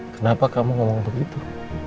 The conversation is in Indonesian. kenapa kamu ngomong begitu